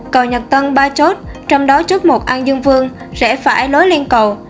cầu nhật tân ba chốt trong đó chốt một an dương vương rẽ phải lối lên cầu